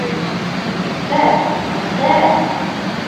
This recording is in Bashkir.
Мөхтәр, Мөхтәәәр.